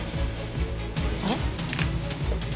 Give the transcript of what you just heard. あれ？